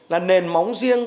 là nền móng riêng